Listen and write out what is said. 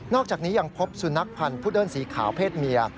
อกจากนี้ยังพบสุนัขพันธ์พุดเดิ้นสีขาวเพศเมีย